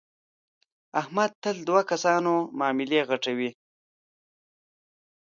احمد تل د دو کسانو معاملې غټوي.